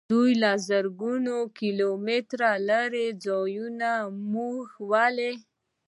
دوی له زرګونو کیلو مترو لیرې ځایه موږ ولي.